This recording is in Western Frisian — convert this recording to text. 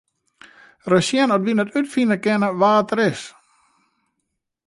Ris sjen oft wy net útfine kinne wa't er is.